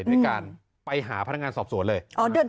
ในการไปหาพนักงานสอบสวนเลย